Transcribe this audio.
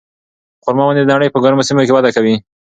خورما ونې د نړۍ په ګرمو سیمو کې وده کوي.